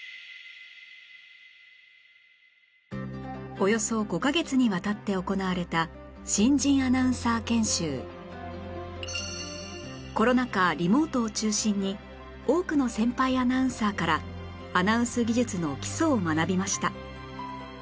およそ５カ月にわたって行われた新人アナウンサー研修コロナ禍リモートを中心に多くの先輩アナウンサーからアナウンス技術の基礎を学びました